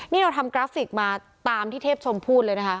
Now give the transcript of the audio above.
นี่เราทำกราฟิกมาตามที่เทพชมพูดเลยนะคะ